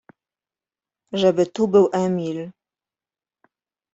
Żeby tu był Emil.